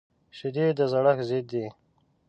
شیدې د زړښت ضد دي